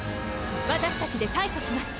私たちで対処します。